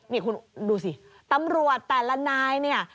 นี่คุณดูสิตำรวจแต่ละนายเนี่ย